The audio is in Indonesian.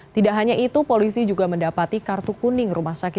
tidak hanya itu polisi juga melakukan penggeledahan di rumah tersangka